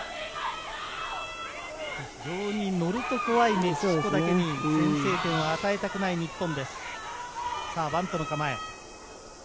非常に乗ると怖いメキシコだけに先制点を与えたくない日本です。